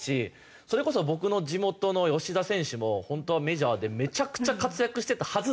それこそ僕の地元の吉田選手も本当はメジャーでめちゃくちゃ活躍してたはずなのに。